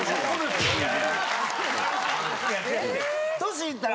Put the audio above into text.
年いったら。